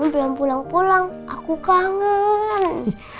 bilang pulang pulang aku kangen